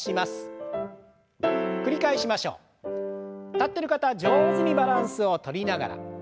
立ってる方上手にバランスをとりながら。